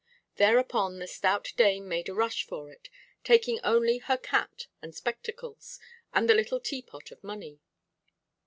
Thereupon the stout dame made a rush for it, taking only her cat and spectacles, and the little teapot of money.